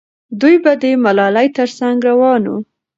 دوی به د ملالۍ تر څنګ روان وو.